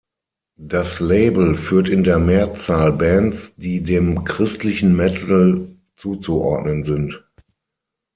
Das Label führt in der Mehrzahl Bands, die dem christlichen Metal zuzuordnen sind.